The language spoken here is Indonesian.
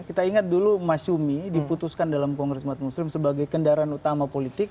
kita ingat dulu mas yumi diputuskan dalam kongres umat muslim sebagai kendaraan utama politik